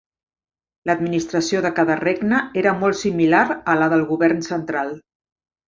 L'administració de cada regne era molt similar a la del govern central.